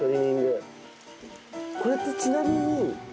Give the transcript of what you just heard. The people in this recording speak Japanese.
これってちなみに。